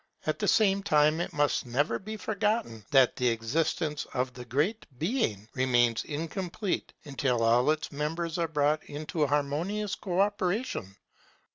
At the same time it must never be forgotten that the existence of the Great Being remains incomplete until all its members are brought into harmonious co operation.